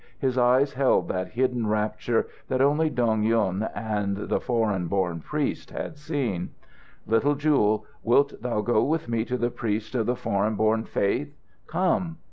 His eyes held that hidden rapture that only Dong Yung and the foreign born priest had seen. "Little Jewel, wilt thou go with me to the priest of the foreign born faith? Come!"